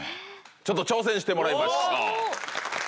ちょっと挑戦してもらいましょう。